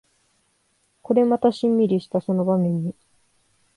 これまたシンミリしたその場面に